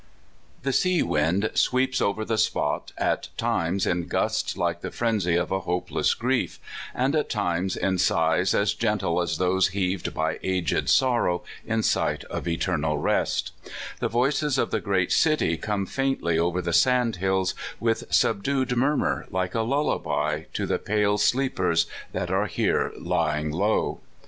THE sea wind sweeps over the spot at times in gusts like the frenzy of hopeless grief, and at times in sighs as gentle as those heaved by aged sorrow in sight of eternal rest The voices of the great city come faintly over the sand hills, with subdued murmur like a lullaby to the pale sleepers that are here lying low.